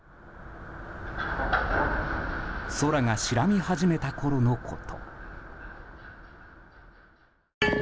空が白み始めたころのこと。